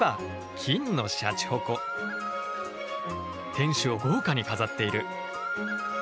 天守を豪華に飾っている。